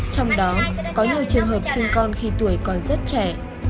trong đó có nhiều trường hợp sinh con khi tuổi còn rất trẻ